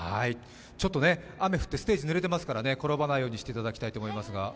ちょっと雨降ってステージがぬれていますから転ばないようにしていただきたいと思います。